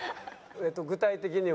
具体的には？